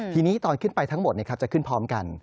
ทีนี้ตอนขึ้นไปทั้งหมดจะขึ้นพร้อมกัน